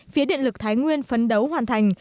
phía điện lực thái nguyên phấn đấu hoàn thành